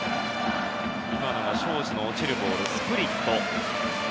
今のが荘司の落ちるボールスプリット。